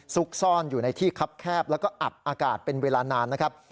ซุกซ่อนอยู่ในที่คับแคบแล้วก็อับอากาศเป็นเวลานานนะครับ